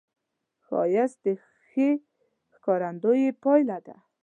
ښایست د ښې ښکارندې پایله ده